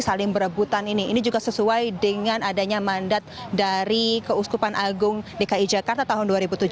saling berebutan ini ini juga sesuai dengan adanya mandat dari keuskupan agung dki jakarta tahun dua ribu tujuh belas